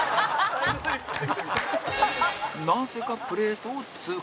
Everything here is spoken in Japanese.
なぜか、プレートを通過